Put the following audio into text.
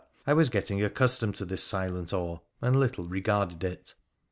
I was getting accustomed to this silent awe, and little regarded it.